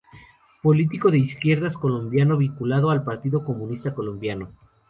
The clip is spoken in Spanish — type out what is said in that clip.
Político de izquierdas colombiano, vinculado al Partido Comunista Colombiano.